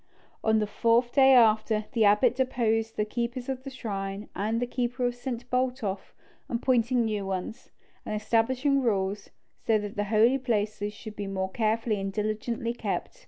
On the fourth day after, the abbot deposed the keepers of the shrine and the keeper of St. Botolph, appointing new ones, and establishing rules, so that the holy places should be more carefully and diligently kept.